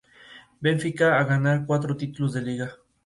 Visita frecuentemente su país de origen.